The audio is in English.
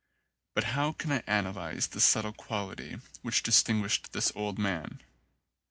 But how can I analyse the subtle quality which distinguished this old man?